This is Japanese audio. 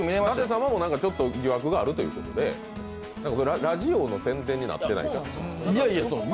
舘様もちょっと疑惑があるということで、ラジオの宣伝になってない。